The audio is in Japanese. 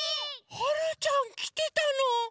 はるちゃんきてたの？